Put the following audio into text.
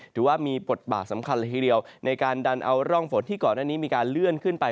ถือว่ามีบทบาทสำคัญเลยทีเดียวในการดันเอาร่องฝนที่ก่อนหน้านี้มีการเลื่อนขึ้นไป